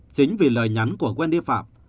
chính vì lời nhắn của wendy phạm